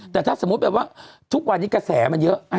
แต่ถ้าสมมุติแบบว่าทุกวันนี้กระแสมันเยอะ